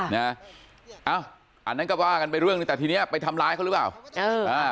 ค่ะอันนั้นก็ว่ากันไปเรื่องแต่ทีนี้ไปทำร้ายเค้าหรือเปล่า